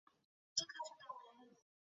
ঠিক আছে তাহলে।